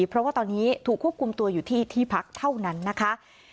เพราะว่าตอนนี้ถูกควบคุมตัวอยู่ที่ที่พักเท่านั้นนะคะ